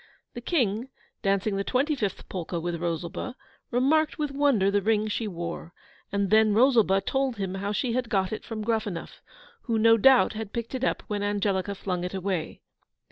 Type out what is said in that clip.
The King, dancing the twenty fifth polka with Rosalba, remarked with wonder the ring she wore; and then Rosalba told him how she had got it from Gruffanuff, who no doubt had picked it up when Angelica flung it away.